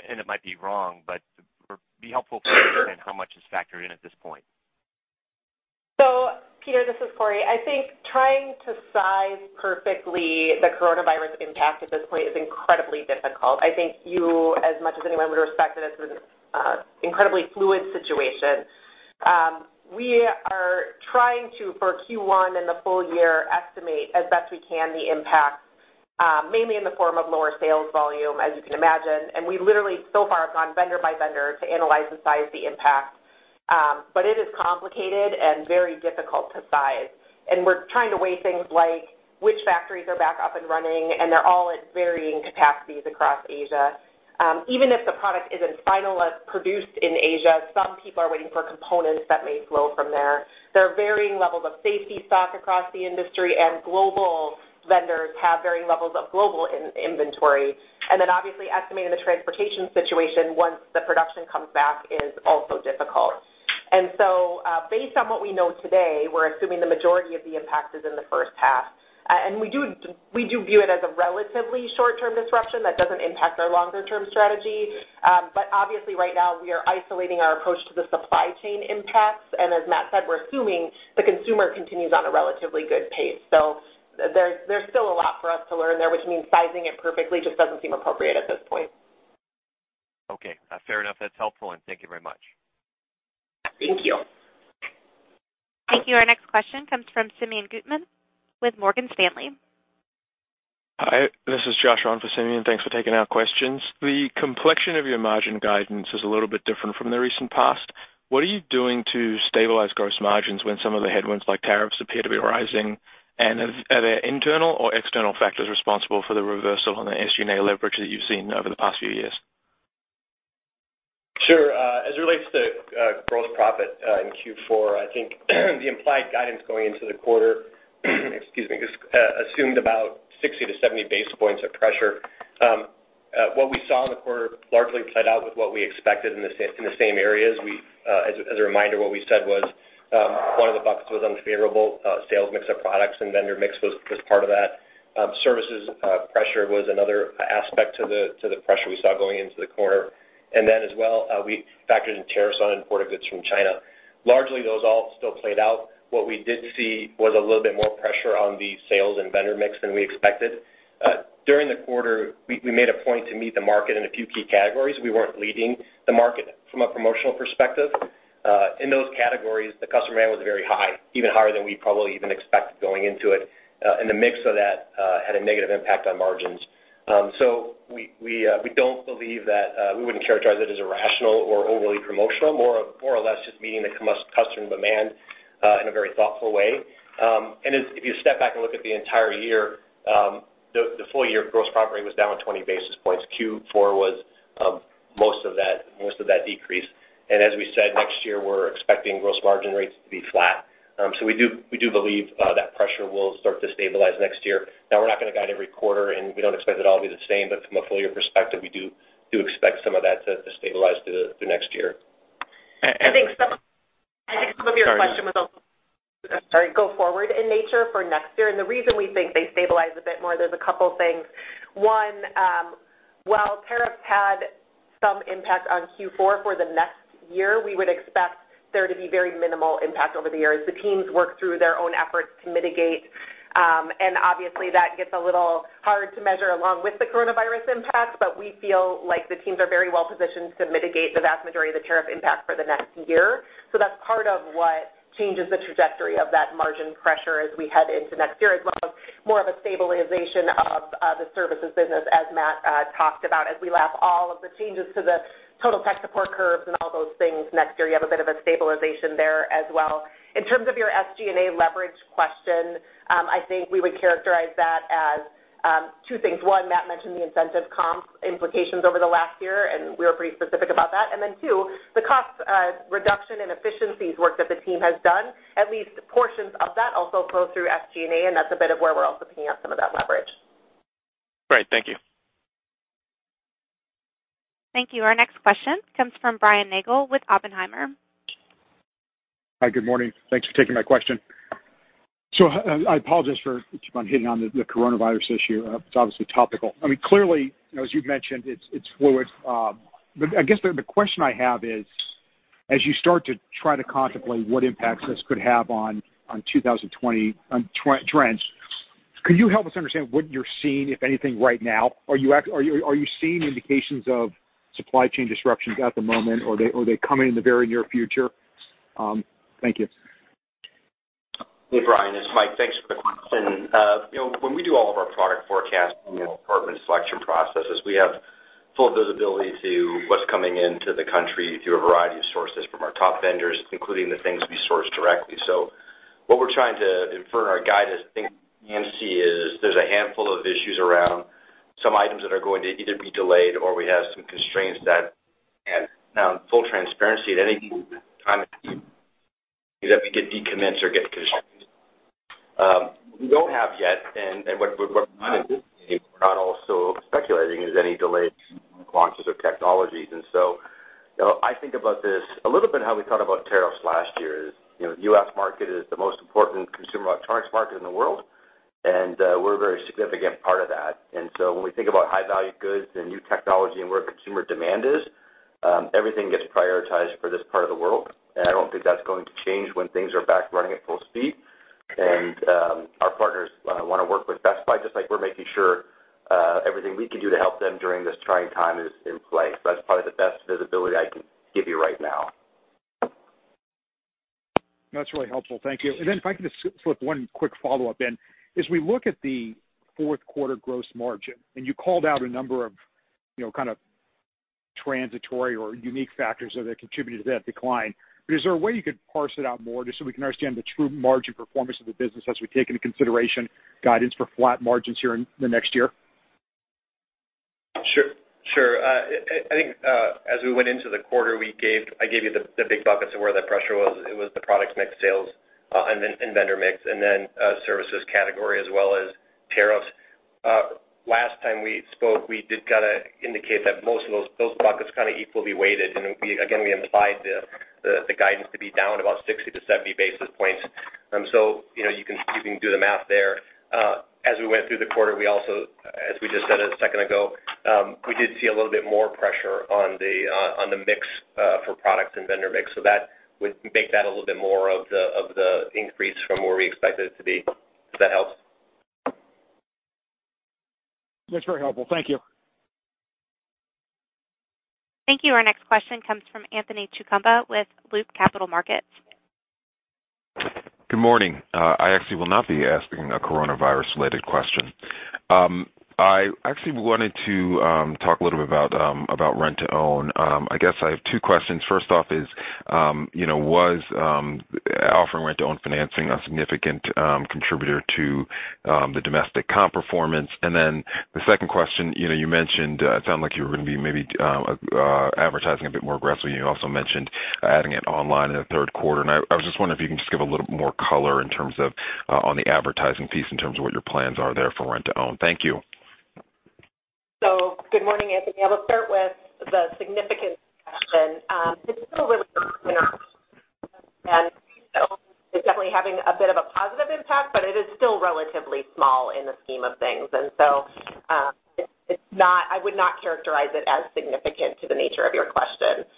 and it might be wrong, but it'd be helpful to understand how much is factored in at this point? Peter, this is Corie. I think trying to size perfectly the coronavirus impact at this point is incredibly difficult. I think you, as much as anyone, would respect that this is an incredibly fluid situation. We are trying to, for Q1 and the full year, estimate as best we can the impact, mainly in the form of lower sales volume, as you can imagine. We literally so far have gone vendor by vendor to analyze and size the impact. It is complicated and very difficult to size. We're trying to weigh things like which factories are back up and running, and they're all at varying capacities across Asia. Even if the product isn't final as produced in Asia, some people are waiting for components that may flow from there. There are varying levels of safety stock across the industry, and global vendors have varying levels of global inventory. Then obviously estimating the transportation situation once the production comes back is also difficult. Based on what we know today, we're assuming the majority of the impact is in the first half. Obviously right now we are isolating our approach to the supply chain impacts. As Matt said, we're assuming the consumer continues on a relatively good pace. There's still a lot for us to learn there, which means sizing it perfectly just doesn't seem appropriate at this point. Okay. Fair enough. That's helpful and thank you very much. Thank you. Thank you. Our next question comes from Simeon Gutman with Morgan Stanley. Hi, this is Josh on for Simeon. Thanks for taking our questions. The complexion of your margin guidance is a little bit different from the recent past. What are you doing to stabilize gross margins when some of the headwinds like tariffs appear to be rising? Are there internal or external factors responsible for the reversal on the SG&A leverage that you've seen over the past few years? Sure. As it relates to gross profit in Q4, I think the implied guidance going into the quarter, excuse me, assumed about 60 to 70 basis points of pressure. What we saw in the quarter largely played out with what we expected in the same areas. As a reminder, what we said was one of the buckets was unfavorable sales mix of products and vendor mix was part of that. Services pressure was another aspect to the pressure we saw going into the quarter. As well, we factored in tariffs on imported goods from China. Largely, those all still played out. What we did see was a little bit more pressure on the sales and vendor mix than we expected. During the quarter, we made a point to meet the market in a few key categories. We weren't leading the market from a promotional perspective. In those categories, the customer demand was very high, even higher than we probably even expected going into it. The mix of that had a negative impact on margins. We wouldn't characterize it as irrational or overly promotional, more or less just meeting the customer demand in a very thoughtful way. If you step back and look at the entire year, the full year gross profit rate was down 20 basis points. Q4 was most of that decrease. As we said, next year, we're expecting gross margin rates to be flat. We do believe that pressure will start to stabilize next year. Now, we're not going to guide every quarter and we don't expect it all be the same, but from a full year perspective, we do expect some of that to stabilize through next year. I think some of your question was also. Sorry. sorry, go forward in nature for next year. The reason we think they stabilize a bit more, there's a couple things. One, while tariffs had some impact on Q4 for the next year, we would expect there to be very minimal impact over the years. The teams work through their own efforts to mitigate, and obviously that gets a little hard to measure along with the coronavirus impact, but we feel like the teams are very well-positioned to mitigate the vast majority of the tariff impact for the next year. That's part of what changes the trajectory of that margin pressure as we head into next year, as well as more of a stabilization of the services business as Matt talked about, as we lap all of the changes to the Total Tech Support curves and all those things next year, you have a bit of a stabilization there as well. In terms of your SG&A leverage question, I think we would characterize that as two things. One, Matt mentioned the incentive comps implications over the last year, and we were pretty specific about that. Two, the cost reduction and efficiencies work that the team has done, at least portions of that also flow through SG&A, and that's a bit of where we're also paying out some of that leverage. Great. Thank you. Thank you. Our next question comes from Brian Nagel with Oppenheimer. Hi. Good morning. Thanks for taking my question. I apologize for keep on hitting on the coronavirus issue. It's obviously topical. Clearly, as you've mentioned, it's fluid. I guess the question I have is, as you start to try to contemplate what impacts this could have on 2020 trends, could you help us understand what you're seeing, if anything, right now? Are you seeing indications of supply chain disruptions at the moment, or are they coming in the very near future? Thank you. Hey, Brian, it's Mike. Thanks for the question. When we do all of our product forecasting and our assortment selection processes, we have full visibility to what's coming into the country through a variety of sources from our top vendors, including the things we source directly. What we're trying to infer in our guidance, things you can see is there's a handful of issues around some items that are going to either be delayed or we have some constraints that, and now in full transparency at any given time and that we get discontinued or get constrained. What we're not indicating, we're not also speculating is any delays in launches or technologies. I think about this a little bit how we thought about tariffs last year is, the U.S. market is the most important consumer electronics market in the world, and we're a very significant part of that. When we think about high-value goods and new technology and where consumer demand is, everything gets prioritized for this part of the world, and I don't think that's going to change when things are back running at full speed. Our partners want to work with Best Buy, just like we're making sure everything we can do to help them during this trying time is in play. That's probably the best visibility I can give you right now. That's really helpful. Thank you. If I can just slip one quick follow-up in. As we look at the fourth quarter gross margin, you called out a number of transitory or unique factors that contributed to that decline, is there a way you could parse it out more just so we can understand the true margin performance of the business as we take into consideration guidance for flat margins here in the next year? Sure. I think as we went into the quarter, I gave you the big buckets of where that pressure was. It was the products mix sales and vendor mix, services category as well as tariffs. Last time we spoke, we did kind of indicate that most of those buckets kind of equally weighted. We implied the guidance to be down about 60 to 70 basis points. You can do the math there. As we went through the quarter, we also, as we just said a second ago, we did see a little bit more pressure on the mix for products and vendor mix. That would make that a little bit more of the increase from where we expected it to be. Does that help? That's very helpful. Thank you. Thank you. Our next question comes from Anthony Chukumba with Loop Capital Markets. Good morning. I actually will not be asking a coronavirus-related question. I actually wanted to talk a little bit about rent-to-own. I guess I have two questions. First off is, was offering rent-to-own financing a significant contributor to the domestic comp performance? The second question, you mentioned it sounded like you were going to be maybe advertising a bit more aggressively, and you also mentioned adding it online in the third quarter. I was just wondering if you can just give a little bit more color in terms of on the advertising piece in terms of what your plans are there for rent-to-own. Thank you. Good morning, Anthony. I will start with the significance question. It's still a little bit and is definitely having a bit of a positive impact, but it is still relatively small in the scheme of things. I would not characterize it as significant to the nature of your question.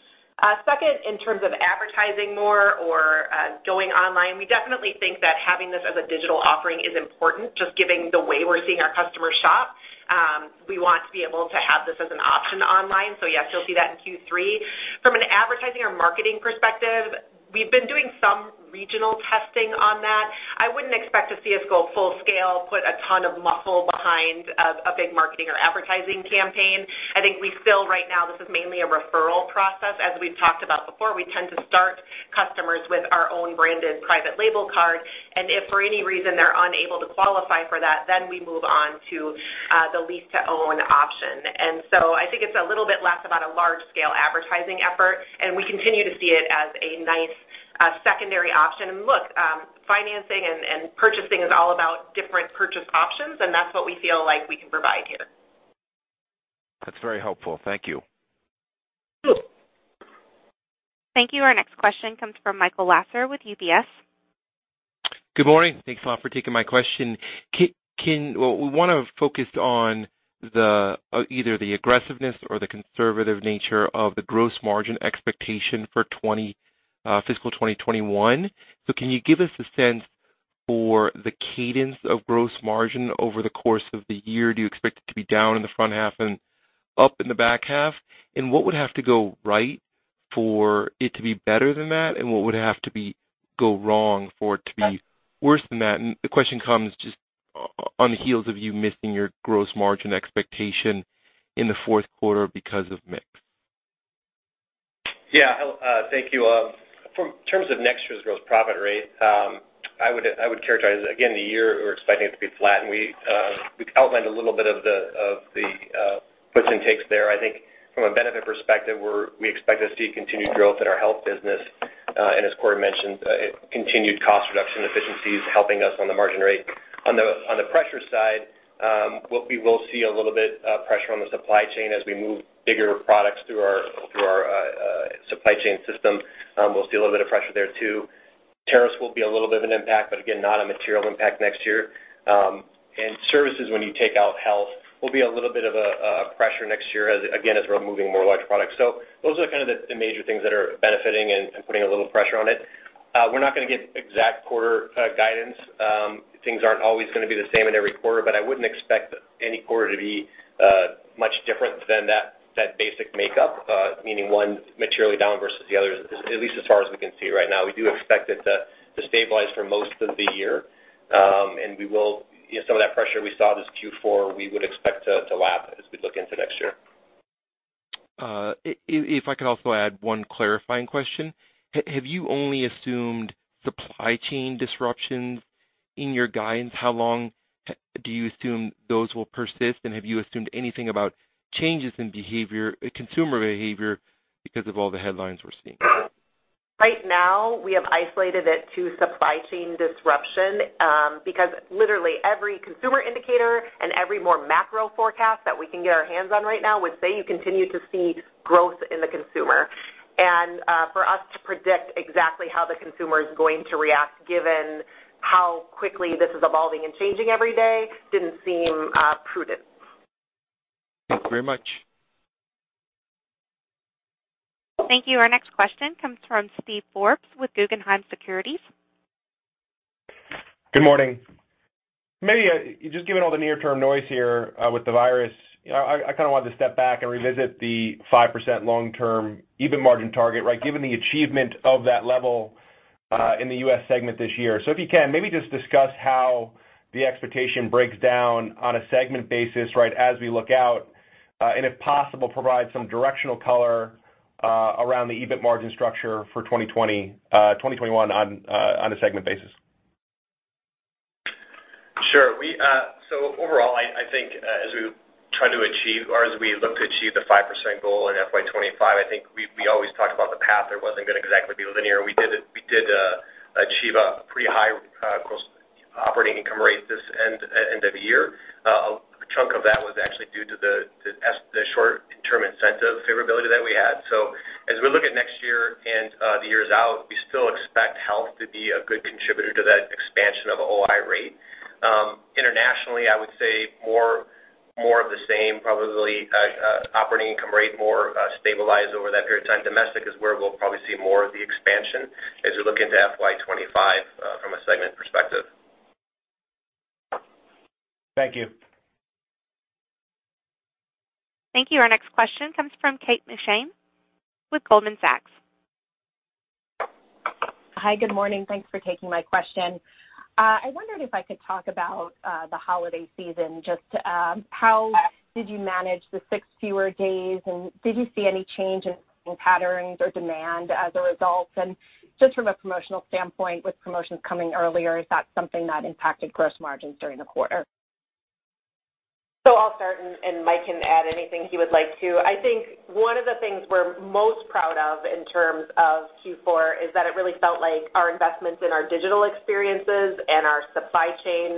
Second, in terms of advertising more or going online, we definitely think that having this as a digital offering is important, just given the way we're seeing our customers shop. We want to be able to have this as an option online. Yes, you'll see that in Q3. From an advertising or marketing perspective, we've been doing some regional testing on that. I wouldn't expect to see us go full scale, put a ton of muscle behind a big marketing or advertising campaign. I think we still right now, this is mainly a referral process. As we've talked about before, we tend to start customers with our own branded private label card, and if for any reason they're unable to qualify for that, then we move on to the lease-to-own option. I think it's a little bit less about a large-scale advertising effort, and we continue to see it as a nice secondary option. Look, financing and purchasing is all about different purchase options, and that's what we feel like we can provide here. That's very helpful. Thank you. Sure. Thank you. Our next question comes from Michael Lasser with UBS. Good morning. Thanks a lot for taking my question. We want to focus on either the aggressiveness or the conservative nature of the gross margin expectation for Fiscal 2021. Can you give us a sense for the cadence of gross margin over the course of the year? Do you expect it to be down in the front half and up in the back half? What would have to go right for it to be better than that? What would have to go wrong for it to be worse than that? The question comes just on the heels of you missing your gross margin expectation in the fourth quarter because of mix. Yeah. Thank you. From terms of next year's gross profit rate, I would characterize, again, the year we're expecting it to be flat. We've outlined a little bit of the puts and takes there. I think from a benefit perspective, we expect to see continued growth in our health business, and as Corie mentioned, continued cost reduction efficiencies helping us on the margin rate. On the pressure side, we will see a little bit of pressure on the supply chain as we move bigger products through our supply chain system. We'll see a little bit of pressure there, too. Tariffs will be a little bit of an impact, but again, not a material impact next year. Services, when you take out health, will be a little bit of a pressure next year, again, as we're moving more large products. Those are kind of the major things that are benefiting and putting a little pressure on it. We're not going to give exact quarter guidance. Things aren't always going to be the same in every quarter, but I wouldn't expect any quarter to be much different than that basic makeup, meaning one materially down versus the other, at least as far as we can see right now. We do expect it to stabilize for most of the year. Some of that pressure we saw this Q4, we would expect to lap as we look into next year. If I could also add one clarifying question, have you only assumed supply chain disruptions in your guidance? How long do you assume those will persist, and have you assumed anything about changes in consumer behavior because of all the headlines we're seeing? Right now, we have isolated it to supply chain disruption, because literally every consumer indicator and every more macro forecast that we can get our hands on right now would say you continue to see growth in the consumer. For us to predict exactly how the consumer is going to react, given how quickly this is evolving and changing every day, didn't seem prudent. Thank you very much. Thank you. Our next question comes from Steven Forbes with Guggenheim Securities. Good morning. Maybe just given all the near-term noise here with the virus, I kind of wanted to step back and revisit the 5% long-term EBIT margin target, given the achievement of that level in the U.S. segment this year. If you can, maybe just discuss how the expectation breaks down on a segment basis as we look out, and if possible, provide some directional color around the EBIT margin structure for 2021 on a segment basis. Sure. Overall, I think as we look to achieve the 5% goal in FY 2025, I think we always talked about the path that wasn't going to exactly be linear. We did achieve a pretty high cost operating income rate this end of year. A chunk of that was actually due to the Short-Term Incentive favorability that we had. As we look at next year and the years out, we still expect Best Buy Health to be a good contributor to that expansion of OI rate. Internationally, I would say more of the same, probably operating income rate more stabilized over that period of time. Domestic is where we'll probably see more of the expansion as we look into FY 2025 from a segment perspective. Thank you. Thank you. Our next question comes from Kate McShane with Goldman Sachs. Hi, good morning. Thanks for taking my question. I wondered if I could talk about the holiday season, just how did you manage the six fewer days, and did you see any change in patterns or demand as a result? Just from a promotional standpoint, with promotions coming earlier, is that something that impacted gross margins during the quarter? I'll start and Mike can add anything he would like to. I think one of the things we're most proud of in terms of Q4 is that it really felt like our investments in our digital experiences and our supply chain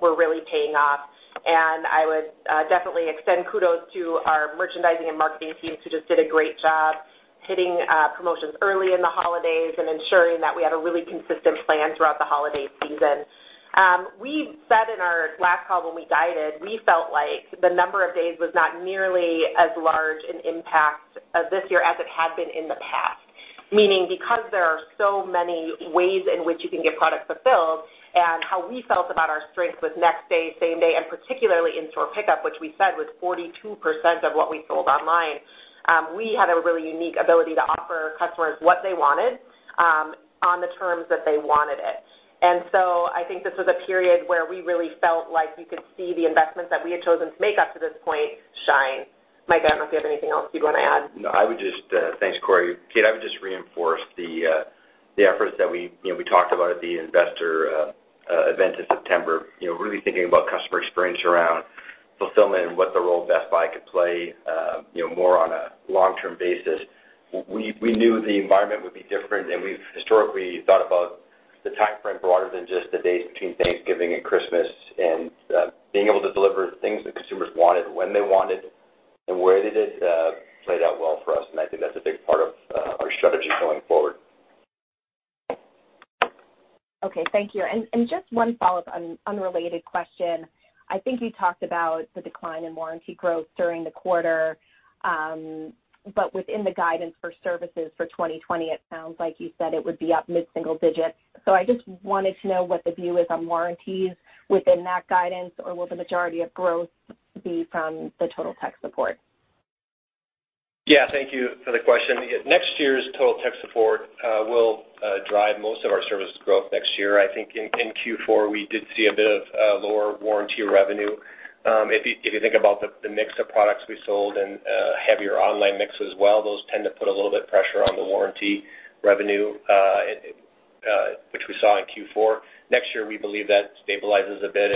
were really paying off. I would definitely extend kudos to our merchandising and marketing teams, who just did a great job hitting promotions early in the holidays and ensuring that we had a really consistent plan throughout the holiday season. We said in our last call when we guided, we felt like the number of days was not nearly as large an impact this year as it had been in the past, meaning because there are so many ways in which you can get product fulfilled and how we felt about our strength with next day, same day, and particularly in-store pickup, which we said was 42% of what we sold online, we had a really unique ability to offer customers what they wanted on the terms that they wanted it. I think this was a period where we really felt like you could see the investments that we had chosen to make up to this point shine. Mike, I don't know if you have anything else you'd want to add. Thanks, Corie. Kate, I would just reinforce the efforts that we talked about at the investor event in September, really thinking about customer experience around fulfillment and what the role of Best Buy could play more on a long-term basis. We knew the environment would be different, and we've historically thought about. The timeframe broader than just the days between Thanksgiving and Christmas, and being able to deliver things that consumers wanted when they wanted it and where they did played out well for us, and I think that's a big part of our strategy going forward. Okay. Thank you. Just one follow-up, an unrelated question. I think you talked about the decline in warranty growth during the quarter. Within the guidance for services for 2020, it sounds like you said it would be up mid-single digits. I just wanted to know what the view is on warranties within that guidance, or will the majority of growth be from the Total Tech Support? Thank you for the question. Next year's Total Tech Support will drive most of our services growth next year. I think in Q4, we did see a bit of lower warranty revenue. If you think about the mix of products we sold and heavier online mix as well, those tend to put a little bit of pressure on the warranty revenue, which we saw in Q4. Next year, we believe that stabilizes a bit,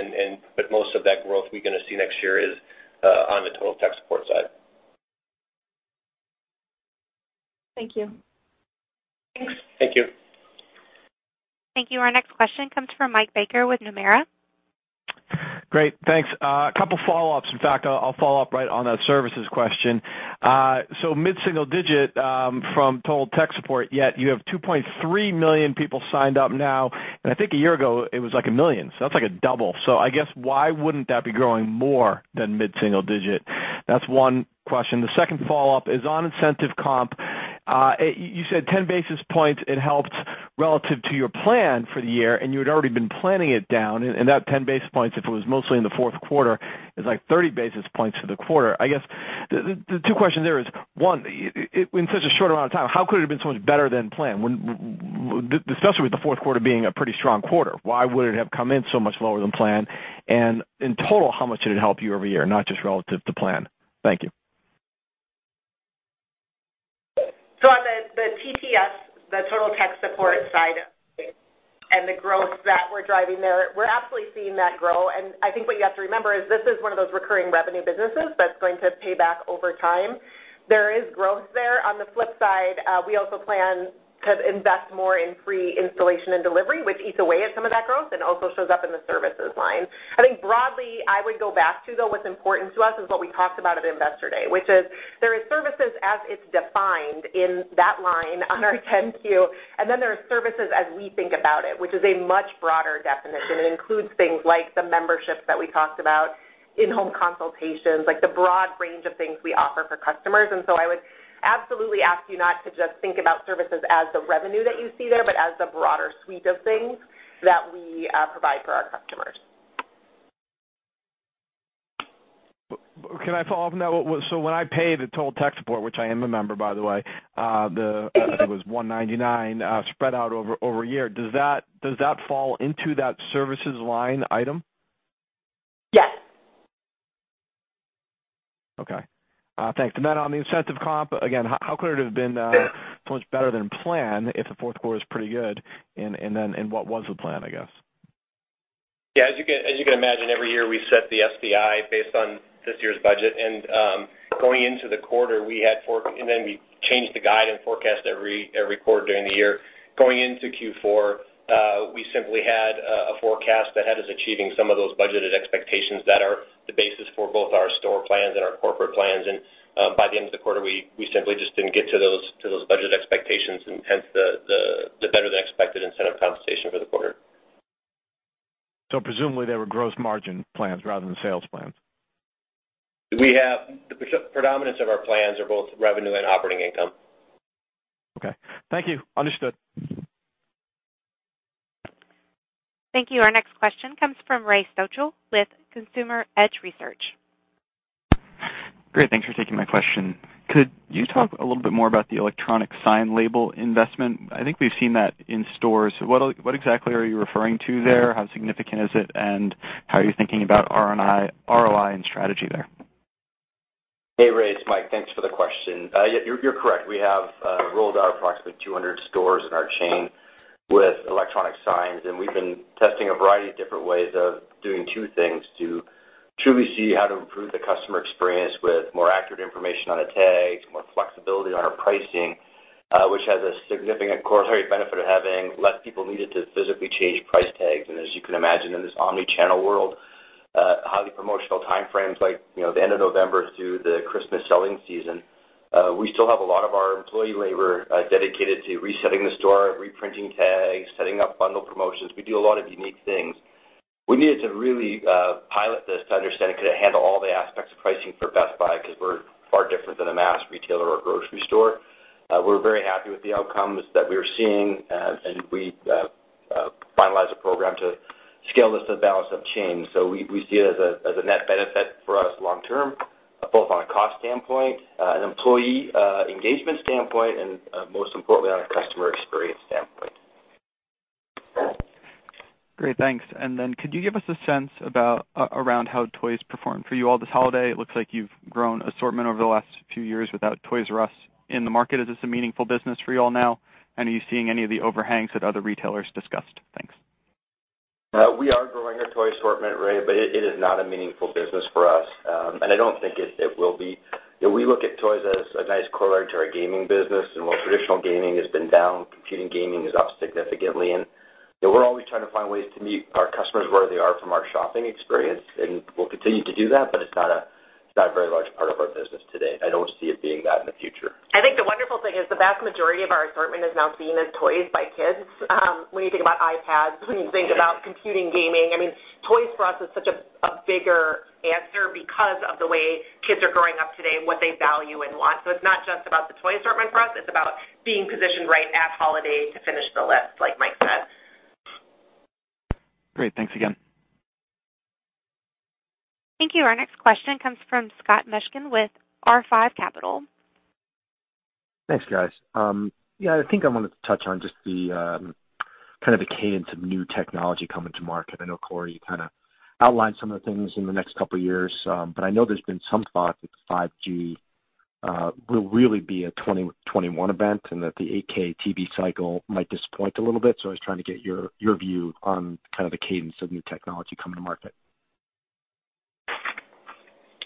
but most of that growth we're going to see next year is on the Total Tech Support side. Thank you. Thanks. Thank you. Thank you. Our next question comes from Mike Baker with Nomura. Great. Thanks. A couple follow-ups. In fact, I'll follow up right on that services question. Mid-single digit, from Total Tech Support, yet you have 2.3 million people signed up now, and I think a year ago, it was like 1 million. That's like a double. I guess why wouldn't that be growing more than mid-single digit? That's one question. The second follow-up is on incentive comp. You said 10 basis points, it helped relative to your plan for the year, and you had already been planning it down. That 10 basis points, if it was mostly in the fourth quarter, is like 30 basis points for the quarter. I guess, the two questions there is, one, in such a short amount of time, how could it have been so much better than planned, especially with the fourth quarter being a pretty strong quarter, why would it have come in so much lower than planned? In total, how much did it help you over a year, not just relative to plan? Thank you. On the TTS, the Total Tech Support side and the growth that we're driving there, we're absolutely seeing that grow. I think what you have to remember is this is one of those recurring revenue businesses that's going to pay back over time. There is growth there. On the flip side, we also plan to invest more in free installation and delivery, which eats away at some of that growth and also shows up in the services line. I think broadly, I would go back to, though, what's important to us is what we talked about at investor day, which is there is services as it's defined in that line on our 10-Q, and then there are services as we think about it, which is a much broader definition. It includes things like the memberships that we talked about, in-home consultations, like the broad range of things we offer for customers. I would absolutely ask you not to just think about services as the revenue that you see there, but as the broader suite of things that we provide for our customers. Can I follow up on that? When I pay the Total Tech Support, which I am a member by the way, it was $199 spread out over a year. Does that fall into that services line item? Yes. Okay. Thanks. On the incentive comp, again, how could it have been so much better than planned if the fourth quarter is pretty good, and what was the plan, I guess? As you can imagine, every year we set the STI based on this year's budget. Then we change the guide and forecast every quarter during the year. Going into Q4, we simply had a forecast that had us achieving some of those budgeted expectations that are the basis for both our store plans and our corporate plans. By the end of the quarter, we simply just didn't get to those budgeted expectations, hence the better-than-expected incentive compensation for the quarter. Presumably, they were gross margin plans rather than sales plans. The predominance of our plans are both revenue and operating income. Okay. Thank you. Understood. Thank you. Our next question comes from Ray Stochel with Consumer Edge Research. Great. Thanks for taking my question. Could you talk a little bit more about the electronic shelf labels investment? I think we've seen that in stores. What exactly are you referring to there? How significant is it, and how are you thinking about ROI and strategy there? Hey, Ray. It's Mike. Thanks for the question. Yeah, you're correct. We have rolled out approximately 200 stores in our chain with electronic signs. We've been testing a variety of different ways of doing two things to truly see how to improve the customer experience with more accurate information on the tags, more flexibility on our pricing, which has a significant corollary benefit of having less people needed to physically change price tags. As you can imagine, in this omni-channel world, highly promotional time frames like the end of November through the Christmas selling season, we still have a lot of our employee labor dedicated to resetting the store, reprinting tags, setting up bundle promotions. We do a lot of unique things. We needed to really pilot this to understand, could it handle all the aspects of pricing for Best Buy, because we're far different than a mass retailer or a grocery store. We're very happy with the outcomes that we're seeing, and we finalized a program to scale this to the balance of chain. We see it as a net benefit for us long term, both on a cost standpoint, an employee engagement standpoint, and, most importantly, on a customer experience standpoint. Great. Thanks. Could you give us a sense around how toys performed for you all this holiday? It looks like you've grown assortment over the last few years without Toys 'R' Us in the market. Is this a meaningful business for you all now? Are you seeing any of the overhangs that other retailers discussed? We are growing our toy assortment, Ray, but it is not a meaningful business for us, and I don't think it will be. We look at toys as a nice corollary to our gaming business. While traditional gaming has been down, computing gaming is up significantly, and we're always trying to find ways to meet our customers where they are from our shopping experience, and we'll continue to do that, but it's not a very large part of our business today. I don't see it being that in the future. I think the wonderful thing is the vast majority of our assortment is now seen as toys by kids. When you think about iPads, when you think about computing gaming, toys for us is such a bigger answer because of the way kids are growing up today and what they value and want. It's not just about the toy assortment for us, it's about being positioned right at holiday to finish the list, like Mike said. Great. Thanks again. Thank you. Our next question comes from Scott Mushkin with R5 Capital. Thanks, guys. I think I wanted to touch on just the cadence of new technology coming to market. I know, Corie, you outlined some of the things in the next couple of years, I know there's been some thought that 5G will really be a 2021 event and that the 8K TV cycle might disappoint a little bit. I was trying to get your view on the cadence of new technology coming to market.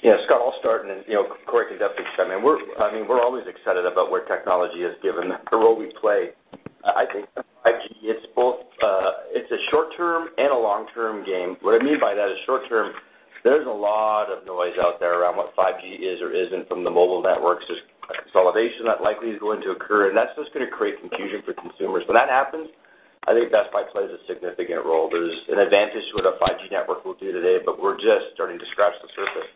Yeah, Scott, I'll start and Corie can definitely chime in. We're always excited about where technology is given the role we play. I think 5G is both a short-term and a long-term game. What I mean by that is short-term, there's a lot of noise out there around what 5G is or isn't from the mobile networks. There's consolidation that likely is going to occur, and that's just going to create confusion for consumers. When that happens, I think Best Buy plays a significant role. There's an advantage to what a 5G network will do today, but we're just starting to scratch the surface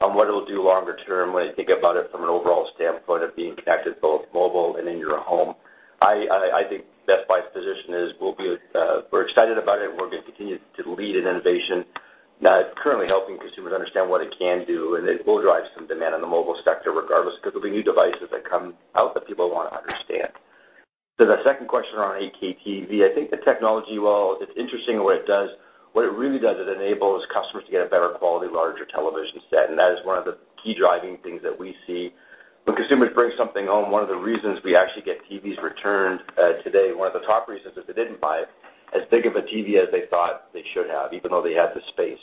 on what it'll do longer term when you think about it from an overall standpoint of being connected both mobile and in your home. I think Best Buy's position is we're excited about it and we're going to continue to lead in innovation that is currently helping consumers understand what it can do. It will drive some demand on the mobile sector regardless because there'll be new devices that come out that people want to understand. To the second question around 8K TV, I think the technology, while it's interesting in what it does, what it really does is enables customers to get a better quality, larger television set. That is one of the key driving things that we see. When consumers bring something home, one of the reasons we actually get TVs returned today, one of the top reasons is they didn't buy as big of a TV as they thought they should have, even though they had the space.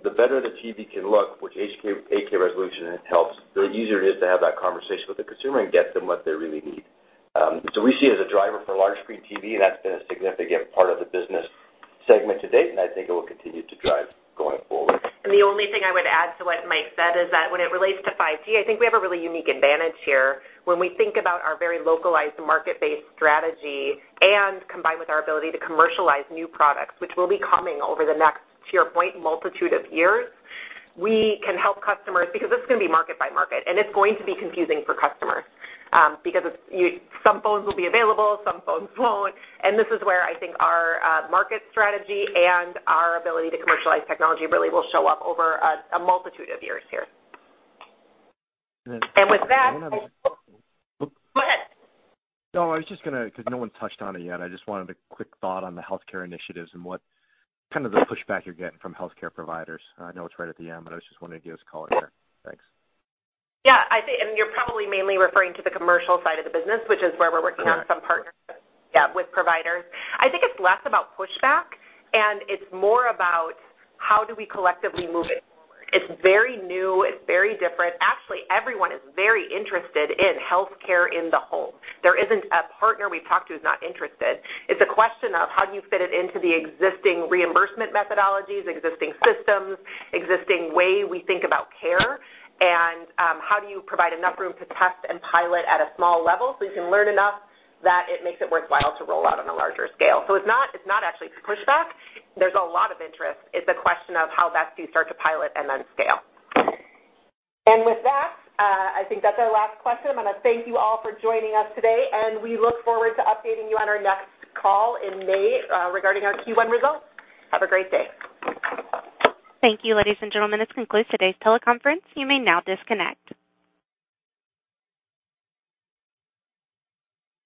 The better the TV can look, which 8K resolution helps, the easier it is to have that conversation with the consumer and get them what they really need. We see it as a driver for large screen TV, and that's been a significant part of the business segment to date, and I think it will continue to drive going forward. The only thing I would add to what Mike said is that when it relates to 5G, I think we have a really unique advantage here. When we think about our very localized market-based strategy and combined with our ability to commercialize new products, which will be coming over the next, to your point, multitude of years, we can help customers because this is going to be market by market, and it's going to be confusing for customers because some phones will be available, some phones won't. This is where I think our market strategy and our ability to commercialize technology really will show up over a multitude of years here. With that, Go ahead. No, I was just going to, because no one's touched on it yet, I just wanted a quick thought on the healthcare initiatives and what kind of the pushback you're getting from healthcare providers. I know it's right at the end, I just wanted to give us a call out there. Thanks. I think, you're probably mainly referring to the commercial side of the business, which is where we're working on some partnerships with providers. I think it's less about pushback, and it's more about how do we collectively move it forward. It's very new. It's very different. Actually, everyone is very interested in healthcare in the home. There isn't a partner we've talked to who's not interested. It's a question of how do you fit it into the existing reimbursement methodologies, existing systems, existing way we think about care, and how do you provide enough room to test and pilot at a small level so you can learn enough that it makes it worthwhile to roll out on a larger scale. It's not actually pushback. There's a lot of interest. It's a question of how best do you start to pilot and then scale. I think that's our last question. I'm going to thank you all for joining us today, and we look forward to updating you on our next call in May regarding our Q1 results. Have a great day. Thank you, ladies and gentlemen. This concludes today's teleconference. You may now disconnect.